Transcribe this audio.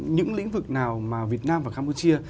những lĩnh vực nào mà việt nam và campuchia